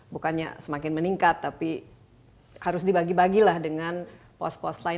bukannya semakin meningkat tapi harus dibagi bagilah dengan pos pos lain